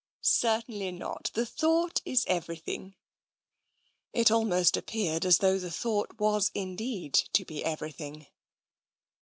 " Certainly not. The thought is everything.'' It almost appeared as though the thought was indeed to be everything.